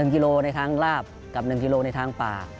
๑กิโลเมตรในทางลาบกับ๑กิโลเมตรในทางป่า